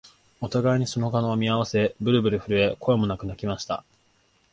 お互いにその顔を見合わせ、ぶるぶる震え、声もなく泣きました